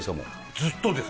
ずっとです。